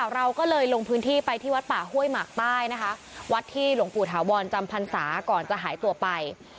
เราก็เลยลงพื้นที่ไปที่วัดป่าห้วยหมากใต้นะคะวัดที่หลวงปู่ถาวรจำพรรษาก่อนจะหายตัวไป